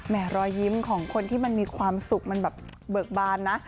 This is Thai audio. รอยยิ้มของคนที่มันมีความสุขมันแบบเบิกบานนะ